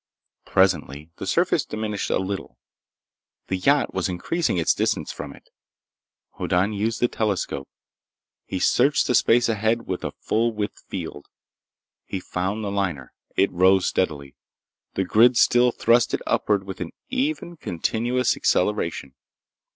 Presently the surface diminished a little. The yacht was increasing its distance from it. Hoddan used the telescope. He searched the space ahead with full width field. He found the liner. It rose steadily. The grid still thrust it upward with an even, continuous acceleration.